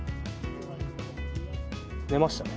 寝ましたね。